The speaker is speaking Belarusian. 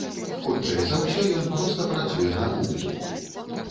Хутчэй за ўсё, ён проста працуе на публіку.